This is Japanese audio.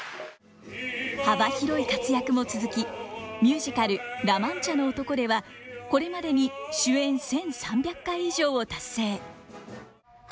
幅広い活躍も続きミュージカル「ラ・マンチャの男」ではこれまでに主演１，３００回以上を達成。